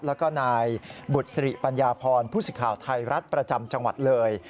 แล้วก็นายบุษริปัญญาพรผู้สิทธิ์ข่าวไทยรัฐประจำจังหวัดเลย